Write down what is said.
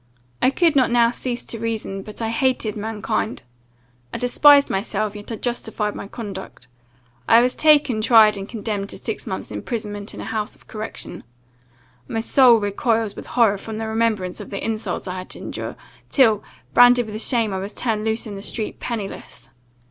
I could not now cease to reason, but I hated mankind. I despised myself, yet I justified my conduct. I was taken, tried, and condemned to six months' imprisonment in a house of correction. My soul recoils with horror from the remembrance of the insults I had to endure, till, branded with shame, I was turned loose in the street, pennyless.